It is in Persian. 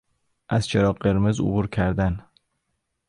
از چراغ قرمز عبور کردن